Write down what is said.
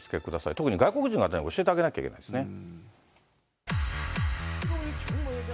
特に外国人の方に教えてあげなきゃいけないですね。